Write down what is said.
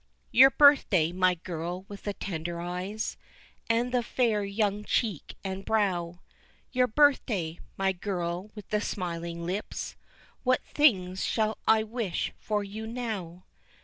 _ Your birthday, my girl with the tender eyes And the fair young cheek and brow, Your birthday, my girl with the smiling lips, What things shall I wish for you now?